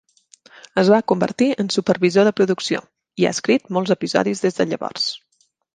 Es va convertir en supervisor de producció, i ha escrit molts episodis des de llavors.